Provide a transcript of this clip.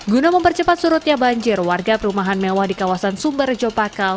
guna mempercepat surutnya banjir warga perumahan mewah di kawasan sumberjo pakal